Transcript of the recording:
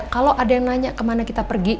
kalau ada yang nanya kemana kita pergi